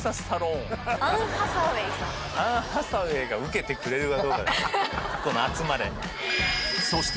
アン・ハサウェイが受けてくれるかどうかこの「集まれ！」